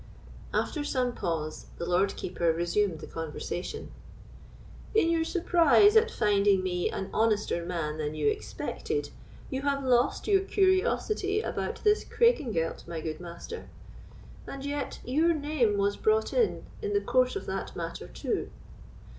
After some pause, the Lord Keeper resumed the conversation.— "In your surprise at finding me an honester man than you expected, you have lost your curiosity about this Craigengelt, my good Master; and yet your name was brought in, in the course of that matter too."